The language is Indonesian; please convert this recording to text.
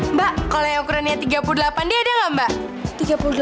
mbak kalau yang ukurannya tiga puluh delapan dia ada nggak mbak